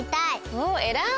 おえらい！